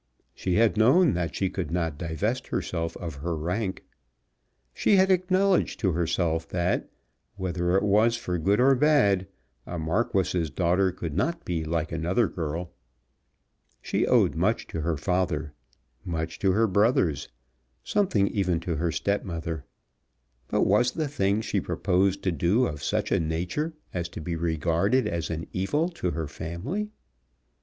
She had known that she could not divest herself of her rank. She had acknowledged to herself that, whether it was for good or bad, a Marquis's daughter could not be like another girl. She owed much to her father, much to her brothers, something even to her stepmother. But was the thing she proposed to do of such a nature as to be regarded as an evil to her family?